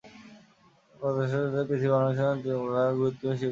গত কয়েক দশক ধরে, পৃথিবীর অনেক অংশে তিমি পর্যবেক্ষণ একটি গুরুত্বপূর্ণ শিল্প হয়ে উঠেছে।